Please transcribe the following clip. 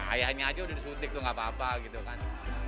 ayahnya aja udah disuntik tuh gak apa apa gitu kan